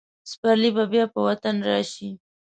سپرلی به بیا په وطن راشي.